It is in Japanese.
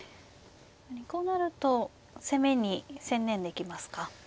こうなると攻めに専念できますか。